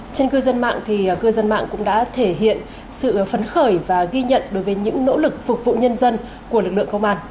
trên cư dân mạng cư dân mạng cũng đã thể hiện sự phấn khởi và ghi nhận đối với những nỗ lực phục vụ nhân dân của lực lượng công an